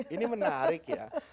ini menarik ya